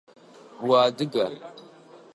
Уадыга?